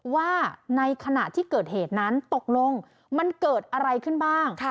ว่าในขณะที่เกิดเหตุนั้นตกลงมันเกิดอะไรขึ้นบ้าง